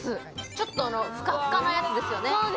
ちょっとふかふかなやつなんですよね。